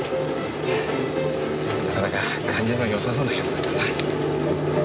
なかなか感じのよさそうなやつだったな。